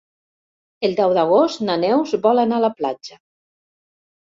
El deu d'agost na Neus vol anar a la platja.